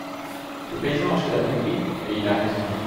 Le paysan achète à tout prix, et il a raison.